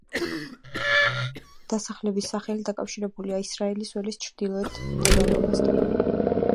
დასახლების სახელი დაკავშირებულია ისრაელის ველის ჩრდილოეთით მდებარეობასთან.